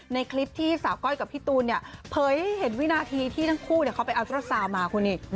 ในคลิปที่สาวก้อยกับพี่ตูนเนี่ยเผยให้เห็นวินาทีที่ทั้งคู่เขาไปเอาเจ้าสาวมาคุณนี่